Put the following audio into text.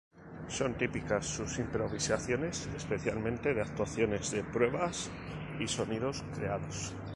Son típicas sus improvisaciones, especialmente de actuaciones de pruebas y sonidos creados.